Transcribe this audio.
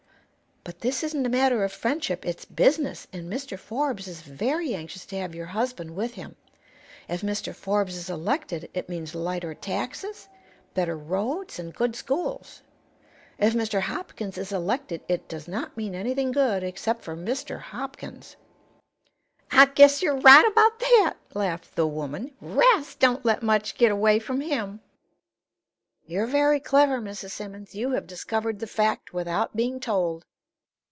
"But this isn't a matter of friendship; it's business, and Mr. Forbes is very anxious to have your husband with him. If Mr. Forbes is elected it means lighter taxes, better roads and good schools. If Mr. Hopkins is elected it does not mean anything good except for Mr. Hopkins." "I guess you're right about that," laughed the woman. "'Rast don't let much get away from him." "You're very clever, Mrs. Simmons. You have discovered the fact without being told."